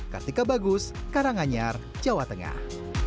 kartika bagus karanganyar jawa tengah